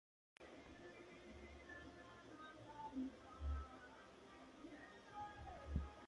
Crece, se descompone, cae y empieza de nuevo.